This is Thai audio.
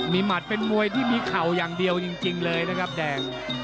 มีหมัดเป็นมวยที่มีเข่าอย่างเดียวจริงเลยนะครับแดง